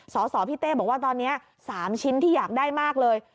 สสพี่เต้บอกว่าตอนนี้๓ชิ้นที่อยากได้มากเลย